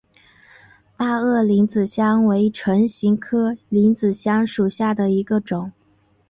大萼铃子香为唇形科铃子香属下的一个种。